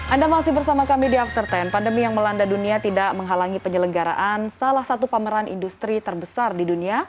anda masih bersama kami di after sepuluh pandemi yang melanda dunia tidak menghalangi penyelenggaraan salah satu pameran industri terbesar di dunia